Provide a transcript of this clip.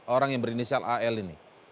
orang yang berinisial al ini